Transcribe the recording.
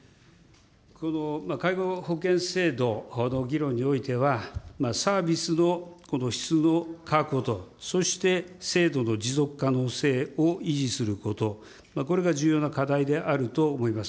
介護保険制度の議論においては、サービスの質の確保と、そして制度の持続可能性を維持すること、これが重要な課題であると思います。